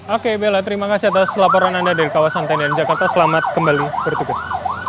oke bella terima kasih atas laporan anda dari kawasan tendian jakarta selamat kembali bertugas